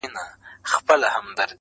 تر تا د مخه ما پر ایښي دي لاسونه.!